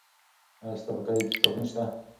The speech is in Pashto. آیا ستا په کلي کې کتابتون سته؟